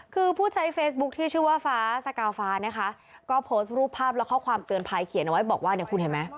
คือผู้ใช้เฟซบุ๊คที่ชื่อว่าฟ้าสกาฟ้านะคะก็โพสต์รูปภาพและข้อความเตือนภัยเขียนเอาไว้บอกว่าเนี่ยคุณเห็นไหม